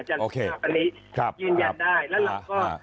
ภาพอันนี้ยืนยันได้แล้วเราก็